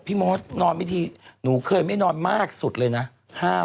พี่ม้อนอนไม่ที่หนูเคยไม่นอนมากสุดเลยนะ